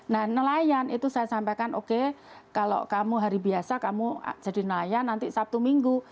nah nelayan itu saya sampaikan oke kalau kamu hari biasa kamu jadi nelayan nanti sabtu minggu